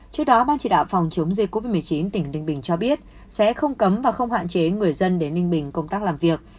trước đó ban chỉ đạo phòng chống dịch covid một mươi chín tỉnh ninh bình cho biết sẽ không cấm và không hạn chế người dân đến ninh bình công tác làm việc